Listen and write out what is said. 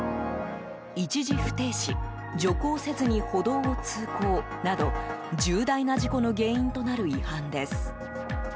一時不停止徐行せずに歩道を通行など重大な事故の原因となる違反です。